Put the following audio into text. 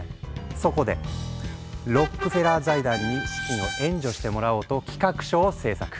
そこでロックフェラー財団に資金を援助してもらおうと企画書を制作。